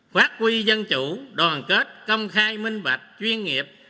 phát huy dân chủ đoàn kết công khai minh bạch chuyên nghiệp